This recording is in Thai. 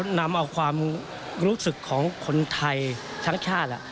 นำเอาความรู้สึกของคนไทยทั้งชาติ